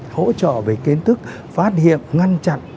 hỗ trợ về kiến thức phát hiện ngăn chặn